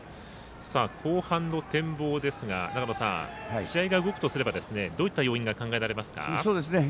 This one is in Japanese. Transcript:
後半の展望ですが試合が動くとすればどういった要因が考えられますか。